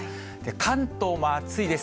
関東も暑いです。